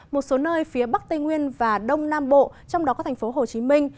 một số nơi phía bắc tây nguyên và đông nam bộ trong đó có thành phố hồ chí minh